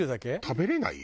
食べれない？